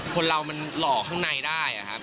คนเรามันหล่อข้างในได้ครับ